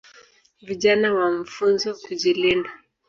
Vijana wamfunzwa kujilinda